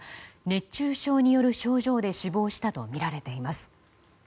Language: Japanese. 熱中症による症状で死亡したとみられています。